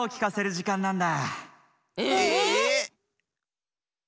え？